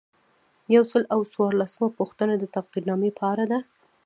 یو سل او څوارلسمه پوښتنه د تقدیرنامې په اړه ده.